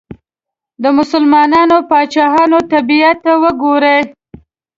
د مسلمانو پاچاهانو طبیعت ته وګورئ.